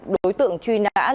đối tượng bị bắt giữ